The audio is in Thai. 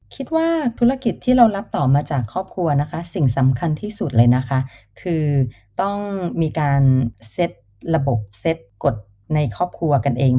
คิดว่าธุรกิจที่เรารับต่อมาจากครอบครัวนะคะสิ่งสำคัญที่สุดเลยนะคะคือต้องมีการเซ็ตระบบเซ็ตกดในครอบครัวกันเอง